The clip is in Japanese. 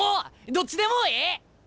どっちでもええ！